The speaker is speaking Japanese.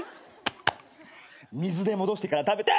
水で戻してから食べて。